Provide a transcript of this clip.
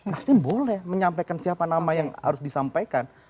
mas dem boleh menyampaikan siapa nama yang harus disampaikan